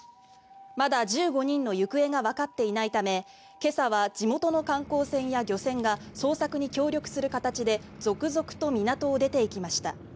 まだ１５人の行方がわかっていないため今朝は地元の観光船や漁船が捜索に協力する形で続々と港を出ていきました。